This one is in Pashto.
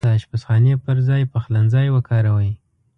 د اشپزخانې پرځاي پخلنځای وکاروئ